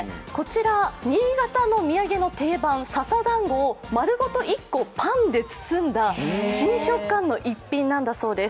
新潟のお土産の定番、笹団子を丸ごと１個パンで包んだ新食感の逸品なんだそうです。